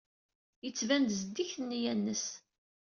Yettban-d zeddiget neyya-nnes.